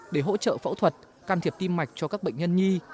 để hỗ trợ phẫu thuật can thiệp tim mạch cho các bệnh nhân nhi